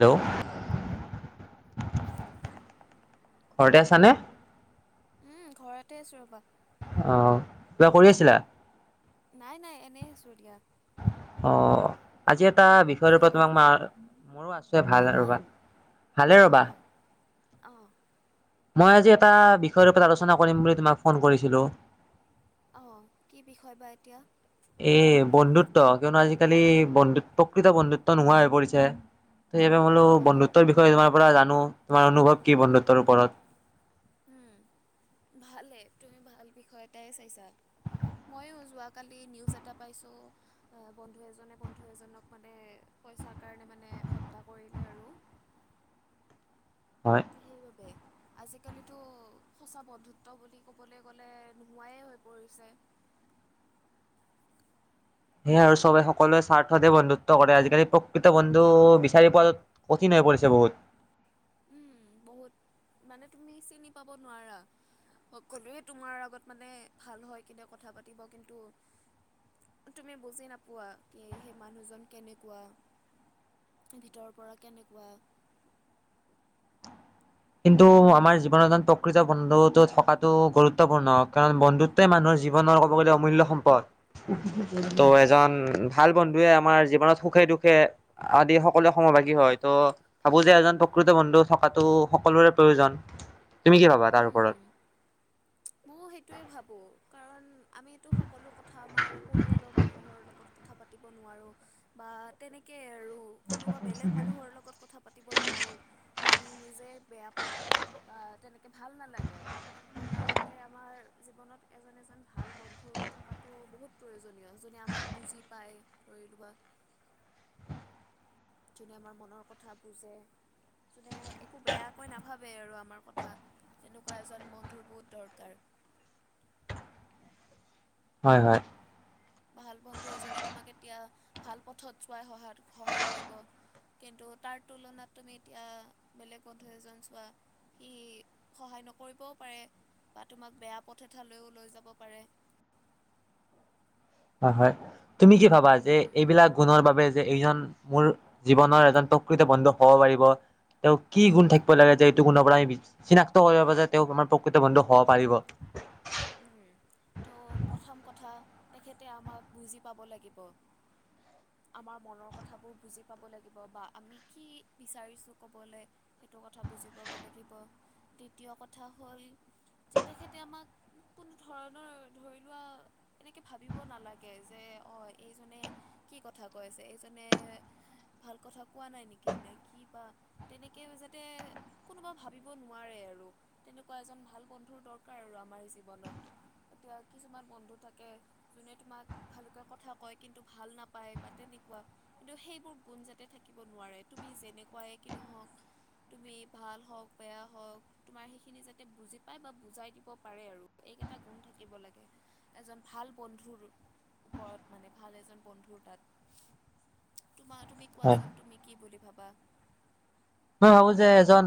Hello. অহ কোৱা। ঘৰতে আছ নে। উম ঘৰতে আছো ৰ'বা। অহ কিবা কৰি আছিলা। নাই নাই এনেই আছো দিয়া। অ আজি ইয়াত। এটা কি বিষয়ৰপৰত খবৰ তোমাক ম তোমাৰ? মোৰো আছে হা ভাল হা? ৰবা ভালে অ' ৰবা। অ' অ' মই আজি এটা বিষয়ৰ ওপৰত আলোচনা কৰিম বুলি তোমাক ফোন কৰিছিলোঁ। অ কি বিষয় বা এতিয়া। এ বন্ধুত্ব কিয়নো আজিকালি বন্ধুত প্ৰকৃত বন্ধুত্ব নোহোৱা হৈ পৰিছে ত সেইাবে বোলো অ' বন্ধুত্বৰ বিষয়ে তোমাৰ পৰা জানো তোমাৰ অনুভৱ। কি বন্ধুত্বৰ ওপৰত। উম, ভালেই তুমি ভাল বিষয় এটাই চাইছা মইো যোৱাকালি নিউজ এটা পাইছো বন্ধু এজনে বন্ধু এজনক মানে পইচাৰ কাৰণে মানে হত্যা কৰিলে আৰু। হয়, সেই বাবোই। আজিকালিতো সঁচা বন্ধুত্ব বুলি ক'বলৈ গ'লে নোহোৱাইে হৈ পৰিছে। সেয় আৰু সবে সকলোৱে স্বাৰ্থতে বন্ধুত্ব কৰে আজিকালি প্ৰকৃত বন্ধু বিচাৰি পোৱাটোত কঠিন হৈ পৰিছে বহুত। উম বহুত মানে তুমি চিনি পাব নোৱাৰা সকলোৱে তোমাৰ আগত মানে ভাল হয় কিনে কথা পাতিব কিন্তু তুমি বুজি নাপোৱা কি সেই মানুহজন কেনেকুৱা ভিতৰৰ পৰা কেনেকুৱা। কিন্তু আমাৰ জীৱনত এন প্ৰকৃত বন্ধুতটো থকাটো গুৰুত্বপূৰ্ণ কাৰণ বন্ধুতোৱে মানুহৰ উম জীৱনৰ ক'ব গ'লে অমূল্য সম্পদ। ত' উম এজন ভাল। বন্ধুৱে আমাৰ জীৱনত সুখে দুখে আদি সকলোৱে সমভাগী হয় ত ভাবো যে এজন প্ৰকৃত বন্ধু থকাতো। সকলোৰে প্ৰয়োজন। তুমি কি পাবা তাৰ ওপৰত। ময় সেইটোৱে ভাবো কাৰণ। আমি এইটো সকলো কথা আমাৰ পৰিয়ালৰ মানুহৰ লগত। কথা পাতিব নোৱাৰো বা তেনেকেই আৰু। কোনোবা বেলেগ মানুহৰ লগত কথা পাতিব নোৱাৰোঁ। আমি নিজে। বেয়া পাও বা তেনেকে ভাল নালাগে ভাল নালাগে। তাৰ জীৱনত এজন এজন। ভাল বন্ধু থকাতটো বহুত। প্ৰয়োজনীয় যনে আমাক বুজি পায় ধৰি লোৱা। যোনে আমাৰ মনৰ কথা বুজে যোনে একো বেয়াকৈ নাভাবে আৰু আমাৰ কথা তেনেকুৱা এজন বন্ধুৰ বহুত দৰকাৰ। হয় হয়। ভাল বন্ধু এজনে তোমাক এতিয়া ভাল পথত চোৱাই সহ সহায় কৰিব কিন্তু তাৰ তুলনাত তুমি এতিয়া বেলেগ বন্ধু এজন চোৱা সি সহায় নকৰিবও পাৰে বা তোমাক বেয়া পথ এঠালৈও লৈ যাব পাৰে। হয়, হয়। তুমি কি ভাবা যে উম, এইবিলাক গুণৰ বাবে। যে এইজন মোৰ জীৱনৰ এজন প্ৰকৃত বন্ধু হব পাৰিব তেওঁ কি গুণ উম, থাকিব লাগে যে এইটো গুণৰ পৰা আমি চিনাক্ত কৰিব প যে তেওঁ আমাৰ প্ৰকৃত বন্ধু হব পাৰিব। উম ত প্ৰথম কথা তেখেতে আমাক বুজি পাব লাগিব। আমাৰ মনৰ কথাবোৰ বুজি পাব লাগিব বা আমি কি বিচাৰিছো কবলৈ সেইটো কথা বুজি পাব লাগিব দ্বিতীয় কথা হল যে তেখেতে আমাক। কোনো ধৰণৰ ধৰি লোৱা এনেকে ভাবিব নালাগে যে অ এইজনে কি কথা কৈ আছে। এইজনে ভাল কথা কোৱা নাই নেকি নে কি বা তেনেকে যাতে কোনোবা ভাবিব নোৱাৰে আৰু তেনেকুৱা এজন ভাল বন্ধুৰ দৰকাৰ আৰু আমাৰ। জীৱনত এতিয়া কিছুমান বন্ধু থাকে যোনে তোমাক ভালকে কথা কয় কিন্তু ভাল নাপায় বা তেনেকুৱা কিন্তু সেইবোৰ গুণ যাতে থাকিব নোৱাৰে তুমি যেনেকুৱাই কি নহওক তুমি ভাল হওঁক বেয়া হওক তোমাৰ সেইখিনি যাতে বুজি পায় বা বুজাই দিব পাৰে আৰু। এই এটা গুণ থাকিব লাগে এজন ভাল বন্ধুৰ ওপৰত মানে ভাল এজন বন্ধুৰ তাত। তোমাৰ তুমি হয় কোৱাচোন তুমি কি বুলি ভাবা মই ভাবো যে এজন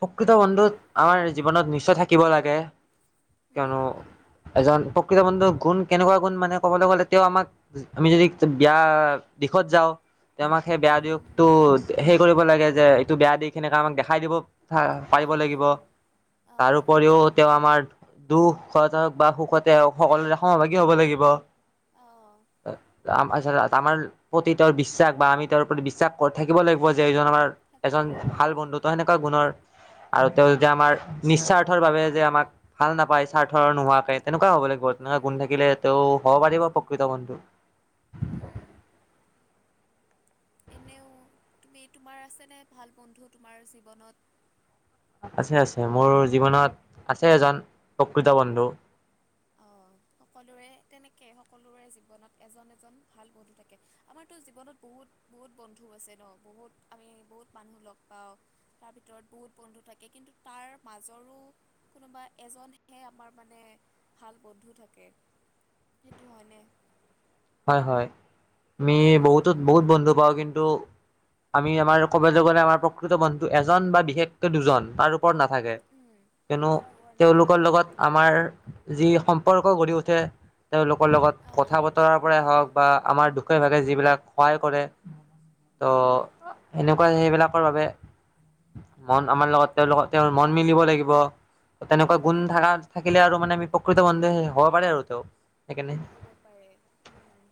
প্ৰকৃত বন্ধুত আমাৰ জীৱনত নিশ্চয় থাকিব লাগে, কিয়নো উম, এজন প্ৰকৃত বন্ধুৰ গুণ কেনেকুৱা গুণ মানে ক'বলৈ গ'লে তেওঁ আমাক আমি যদি বেয়া দিশত যাওঁ তে আমাক সেই বেয়া উম, দিশতটো সেই কৰিব লাগে যে টো বেয়া দি সনেকে আমাক দেখাই দিব পাৰিব অ', লাগিব অ', তাৰপৰিও তেওঁ আমাৰ দুখতেও বা সুখতে সকলোৰে সমভাগী হব লাগিব, অ', আমাৰ প্ৰতি তেওঁৰ বিশ্বাস বা আমি তেওঁৰ প্ৰতি বিশ্বাস থাকিব লাগিব যে এইজন আমাৰ থাকিব এজন লাগিব। ভাল বন্ধুতো সেনেকুৱা গুণৰ আৰু তেওঁ যেতিয়া আমাৰ নিস্বাৰ্থৰ বাবে যে আমাক ভাল নাপায় স্বাৰ্থ নোহোৱাকে তেনেকুৱা হ'ব লাগিব তেনেকুৱ উম, গুণ থাকিলে তেওঁ হ'ব পাৰিব প্ৰকৃত বন্ধু উম এনেও তুমি তোমাৰ আছে নে ভাল বন্ধু তোমাৰ জীৱনত। আছে আছে মোৰ জীৱনত আছে এজন প্ৰকৃত বন্ধু। অ', সকলোৰে তেনেকে সকলোৰে জীৱনত এজন এজন ভাল বন্ধু থাকে, আমাৰতো জীৱনত বহুত বহুত বন্ধু আছে ন বহুত আমি বহুত মানুহ লগ পাওঁ তাৰ ভিতৰত বহুত বন্ধু থাকে কিন্তু তাৰ মাজৰো কোনোবা এজনহে আমাৰ মানে ভাল বন্ধু থাকে। সেইটো হয়নে হয় হয় আমি বহুত উম বহুত বন্ধু পাওঁ কিন্তু আমি আমাৰ ক'ব গ'লে আমাৰ প্ৰকৃত বন্ধু এজন বা বিশেষকৈ দুজন তাৰ ওপৰত নাথাকে উম কিয়নো তাৰ ওপৰত তেওঁলোকৰ নাথাকে লগত আমাৰ যি সম্পৰ্ক গঢ়ি উঠে তেওঁলোকৰ লগত অ কথা বতৰা [unintelligible] ত অ উম এনে সেইবিলাকৰ বাবে মন আমাৰ লগত তেওঁ লগত তেওঁ মন মিলিব লাগিব তেনেকুৱা গুণ উম থাক থাকিলে আৰু মানে আমি প্ৰকৃত বন্ধু হ'ব পাৰে আৰু তেওঁ। সেইকাৰণে হ'ব পাৰে উম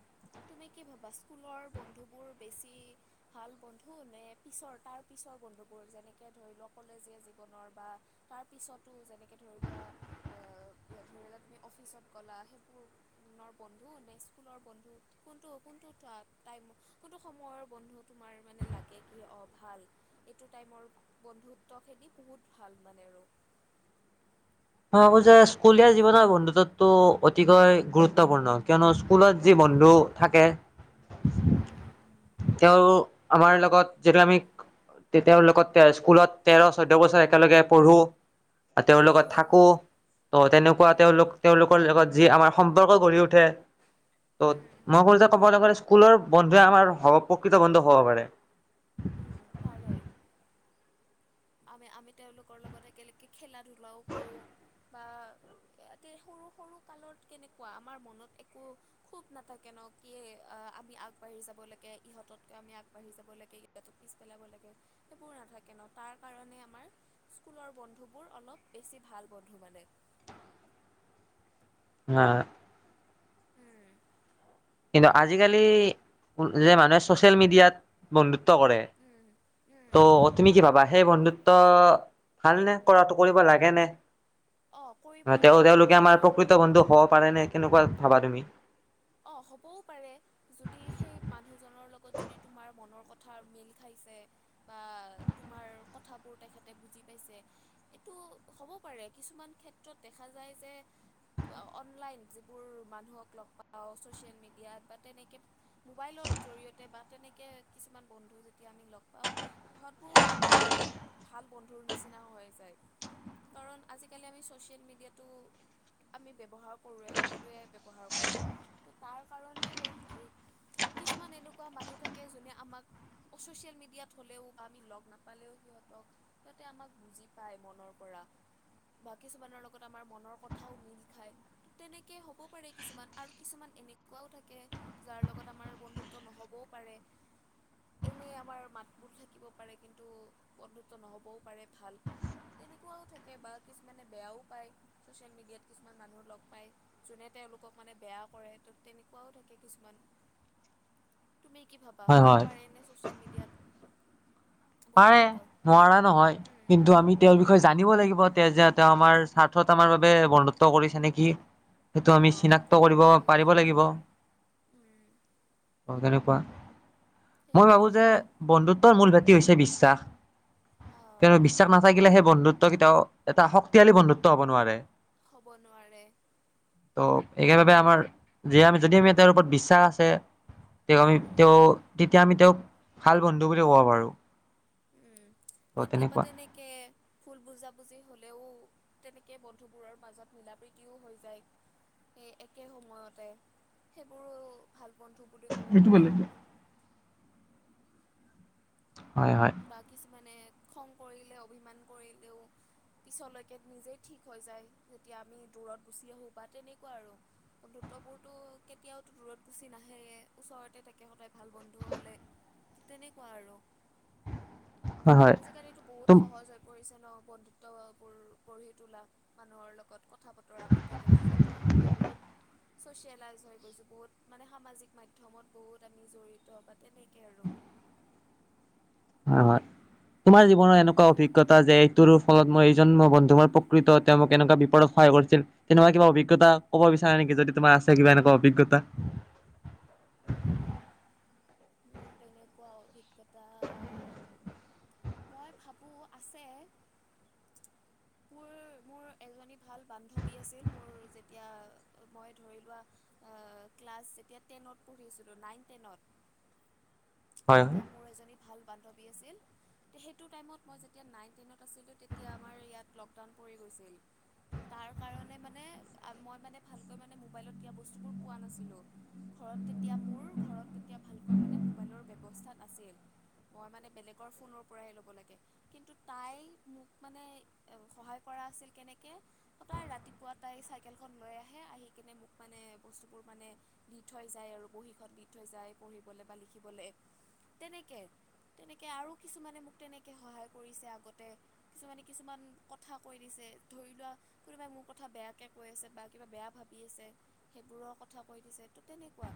তুমি কি ভবা স্কুলৰ বন্ধুবোৰ বেছি ভাল বন্ধু নে,, পিছৰ তাৰ পিছৰ বন্ধুবোৰ যেনেকে ধৰি লোৱা কলেজীয়া জীৱনৰ বা তাৰ পিছতো যেনেকে ধৰি লোৱা ধৰিলোৱা তুমি অফিচত গ'লা সেইবোৰ। বন্ধু নে স্কুলৰ বন্ধু কোনটো কোনটো কোনটো সময়ৰ বন্ধু তোমাৰ মানে লাগে কি অ ভাল এইটো টাইমৰ বন্ধুত্ব খেদি বহুত ভাল মানে আৰু অ যে স্কুলীয়া তুমি কি জীৱনৰ বন্ধুতো কি কয় গুৰুত্বপূৰ্ণ কিয়নো স্কুলত যি উম বন্ধু থাকে উম তেওঁ আমাৰ লগত যেতিয়া আমি তেওঁৰ লগত স্কুলত তেৰ চৌধ্য বছৰ একেলগে পঢ়ো আৰু তেওঁলগত পঢ়ো থাক ত' তেনেকুৱা উম তেওঁলোক তেওঁলোকৰ লগত যি আমাৰ সম্পৰ্ক গঢ়ি উঠে ত উম মই কো যে ক'বলৈ গ'লে স্কুলৰ বন্ধুৱে আমাৰ হ প্ৰকৃত বন্ধু হব পাৰে। উম পাৰে আমি আমি তেওঁলোকৰ লগত একেলগে খেলা ধূলা লাও কৰো বা এ সৰু সৰু কালত কেনেকুৱা আমাৰ মনত একো খুব নাথাকে ন কি আমি আগবাঢ়ি যাব লাগে ইহঁততকৈ আমি আগবাঢ়ি যাব লাগে। পিছ পেলাব লাগে সেইবোৰ নাথাকে ন তাৰ কাৰণে আমাৰ স্কুলৰ বন্ধুবোৰ অলপ বেছি ভাল বন্ধু মানে। হ উম কিন্তু আজিকালি যে, মানুহে ছচিয়েল মিডিয়াত বন্ধুত্ব। নকৰে, উম উম ত' তুমি কি ভাবা। সেই বন্ধুত্ব ভালনে? কৰাটো কৰিব লাগে ন। অ কৰিব হয় তেওঁ লাগে তেওঁলোকে আমাৰ কাৰণ প্ৰকৃত বন্ধু হব পাৰে নে? কেনেকুৱা। ভাবা তুমি। অঁ হ'বও পাৰে যদি সেই মানুহজনৰ লগত যদি তোমাৰ মনৰ কথা মিল খাইছে বা তোমাৰ কথাবোৰ তেখেতে বুজি পাইছে এইটো হ'ব পাৰে কিছুমান ক্ষেত্ৰত দেখা যায় যে অনলাইন যিবোৰ মানুহক লগ পাই। ছ'চিয়েল মিডিয়াত বা তেনেকে মোবাইলৰ জৰি়য়তে বা তেনেকৈ কিছুমান বন্ধু যেতিয়া আমি লগ পাওঁ সিহতবোৰো আমাৰ ভাল বন্ধুৰ নিচিনা হৈ যায় কাৰণ আজিকালি আমি ছ'চিয়েল মিডিয়া আমি ব্যৱহাৰ কৰোঁৱেই সকলোৱে ব্যৱহাৰ কৰে। ত তাৰ কাৰনে হয়তো কিছুমান এনেকুৱা মানুহ থাকে যোনে আমাক চচিয়েল মিডিয়াত হলেও বা আমি লগ নাপালেও সিহতক সিহঁতে আমাক বুজি পায় মনৰ পৰা বা কিছুমানৰ লগত আমাৰ মনৰ কথাও মিল খায় তেনেকে হ'ব পাৰে কিছুমান। আৰু কিছুমান এনেকুৱাও থাকে যাৰ লগত আমাৰ বন্ধুত্ব নহ'বও পাৰে এনে আমাৰ মাতবোল থাকিব পাৰে কিন্তু বন্ধুত্ব নহ'বও পাৰে ভাল তেনেকুৱাও থাকে বা কিছুমানে বেয়াও পায় ছচিয়েল মিডিয়াত কিছুমান মানুহ লগ পায় যোনে তেওঁলোকক। মানে বেয়া কৰে ত' তেনেকুৱাও থাকে কিছুমান। তুমি কি ভাবা হয় হ'ব হয় পাৰে নে ছচিয়েল মিডিয়াত? পাৰে বন্ধুত্ব নোৱাৰা নহয় উম কিন্তু আমি তেওঁৰ উম বিষয়ে জানিব লাগিব তে যে তেওঁ। আমাৰ স্বাৰ্থত আমাৰ বাবে বন্ধুত্ব কৰিছে নেকি। সেইটো অ আমি চিনাক্ত সেইটোও কৰিব জানিব পাৰিব লাগিব। উম [inaudible] কোৱা। মই ভাবো সেইবোৰে যে বন্ধুত্বৰ মূল ভাৱ। [inaudible] হৈছে বিশ্বাস অ কিয়নো বিশ্বাস নাথাকিলে সেই বন্ধুত্ব কেতিয়াও এটা শক্তিশালী বন্ধুত্ব হব নোৱাৰে। হব নোৱাৰে। এই বাবে আমাৰ য আমি যদি আমি তেওঁৰ ওপৰত বিশ্বাস আছে তেওঁক আমি উম তেওঁ তেতিয়া আমি তেওঁক ভাল বন্ধু বুলি ক'ব পাৰোঁ। উম ত' কেতিয়াবা তেনেকুৱা। তেনেকে ভুল বুজা বুজি। হলেও তেনেকে বন্ধুবোৰৰ মাজত মিল প্ৰীতিও হৈ যায় স একে সময়তে সেইবোৰো ভাল। বন্ধু বুলি ক'ব সেইটো পাৰি। বেলেগ। হয় হয় বা, কিছুমানে। খং কৰিলে অভিমান কৰিলেও পিছলৈকে নিজেই ঠিক হৈ যায় যেতিয়া আমি দূৰত গুচি আহো বা তেনেকুৱা আৰু অ দুতবোৰতো কেতিয়াওদূৰত গুচি নাহে ওচৰতে থাকে সদায়। ভাল বন্ধু হ'লে। তেনেকুৱা আৰু। হয় হয় আজিকালিটো তুম বহুত সহজ হৈ পৰিছে। বন্ধুত্ববোৰ গঢ়ি তোলাত মানুহৰ লগত কথা বতৰা পাতি কেনে যিহেতু আমি বহুত ছচিয়েলাইজ হৈ গৈছো বহুত মানে সামাজিক মাধ্য়মত বহুত আমি জড়িত বা তেনেকে আৰু। হয় হয় তোমাৰ জীৱনৰ এনেকুৱা অভিজ্ঞতা যে এইটোৰ ফলত মই এইজন ম বন্ধু প্ৰকৃত তেওঁ মোক এনেকুৱা বিপদত সহায় কৰিছিল তেনেকুৱা কিবা অভিজ্ঞতা কব বিচাৰে নেকি যদি তোমাৰ আছে কিবা এনেকুৱা অভিজ্ঞতা। মোৰ তেনেকুৱা অভিজ্ঞতা। [inaudible] মই ভাবো আছে মোৰ মোৰ এজনী ভাল বান্ধৱী আছিল মোৰ যেতিয়া মই ধৰি লোৱা ক্লাছ যেতিয়া টেনত পঢ়ি আছিলো নাইন, টেনত। ‍ হয় হয় হয়। তেতিয়া মোৰ এজনী ভাল বান্ধৱী আছিল। সেইটো টাইমত মই যেতিয়া নাইন টেনত আছিলোঁ, তেতিয়া আমাৰ ইয়াত লকডাউন পৰি গৈছিল ত' তাৰ কাৰণে মানে মই মানে ভালকৈ মানে মোবাইলত দিয়া বস্তুবোৰ পোৱা নাছিলোঁ ঘৰত তেতিয়া মোৰ ঘৰত। এতিয়া‌ ভালকৈ মানে মোবাইলৰ ৱেব অৱস্থাত নাছিল মই মানে বেলেগৰ ফোনৰ পৰাই ল'ব লাগে কিন্তু তাই মোক মানে সহায় কৰা আছিল কেনেক তাই ৰাতিপুৱা তাই চাইকেলখন লৈ আহে আহি কিনে মোক মানে বস্তুবোৰ মানে দি থৈ যায় আৰু বহীখন দি থৈ যায় পঢ়িবলে বা লিখিবলে তেনেকে তেনেকে আৰু কিছুমানে মোক তেনেকে সহায় কৰিছে আগতে কিছুমানে কিছুমান কথা কৈ দিছে ধৰি লোৱা কোনোবাই মোৰ কথা বেয়াকে কৈ আছে বা কিবা বেয়া ভাবি আছে সেইবোৰৰ কথা কৈ দিছে ত তেনেকুৱা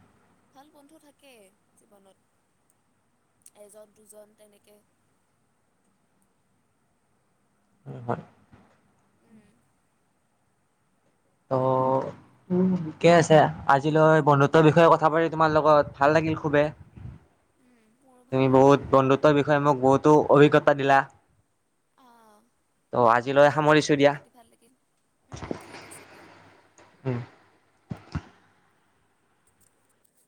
ভাল বন্ধু থাকেই জীৱনত এজন দুজন তেনেকে উম হয় উম ত ঠিকে আছে আজিলৈ বন্ধুত্বৰ উম বিষয়ে কথা পাতি তোমাৰ লগত ভাল লাগিল খুবে উম মোৰো ভাল তুমি বহুত লাগিল বন্ধুত্বৰ বিষয়ে মোক বহুতো অভিজ্ঞতা দিলা। আহ ত' আজিলৈ তোমাৰ লগতো সামৰিছো কথা দিয়া। পাতি ভাল লাগিল উম ঠিক আছে। দিয়া উম